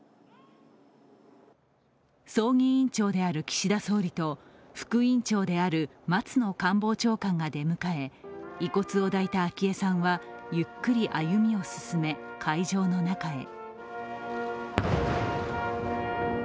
葬儀委員長である岸田総理と副委員長である松野官房長官が出迎え、遺骨を抱いた昭恵さんはゆっくり歩みを進め、会場の中へ。